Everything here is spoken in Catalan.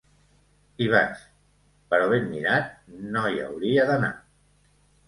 Hi vaig, però ben mirat no hi hauria d'anar.